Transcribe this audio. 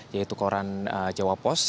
yaitu koran jawa post